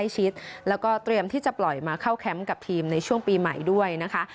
ชิดแล้วก็เตรียมที่จะปล่อยมาเข้าแคมป์กับทีมในช่วงปีใหม่ด้วยนะคะ